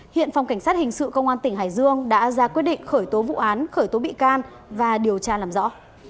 hiện phòng cảnh sát hình sự công an tỉnh hải dương đã ra quyết định khởi tố vụ án khởi tố bị can và điều tra làm rõ